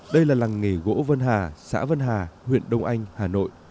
đây là làng nghề gỗ vân hà xã vân hà huyện đông anh hà nội